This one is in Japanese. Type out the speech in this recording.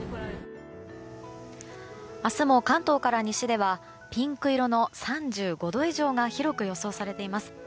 明日も関東から西ではピンク色の３５度以上が広く予想されています。